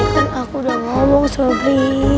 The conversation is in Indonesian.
tadi kan aku udah ngomong sobri